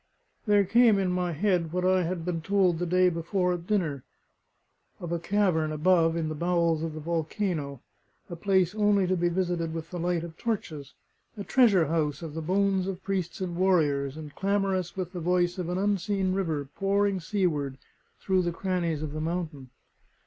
There came in my head what I had been told the day before at dinner, of a cavern above in the bowels of the volcano, a place only to be visited with the light of torches, a treasure house of the bones of priests and warriors, and clamorous with the voice of an unseen river pouring seaward through the crannies of the mountain.